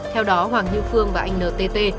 theo đó hoàng như phương và anh ntt